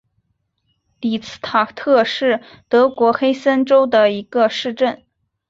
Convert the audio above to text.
里茨塔特是德国黑森州的一个市镇。